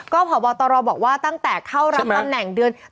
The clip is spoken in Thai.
ก็พาวบอตรอบอกว่าตั้งแต่เข้ารับตำแหน่งเดือนใช่ไหม